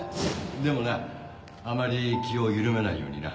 でもなあまり気を緩めないようにな